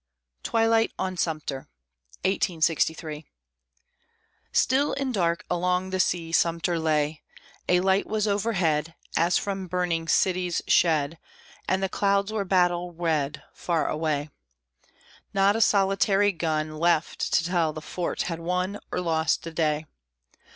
TWILIGHT ON SUMTER Still and dark along the sea Sumter lay; A light was overhead, As from burning cities shed, And the clouds were battle red, Far away. Not a solitary gun Left to tell the fort had won Or lost the day!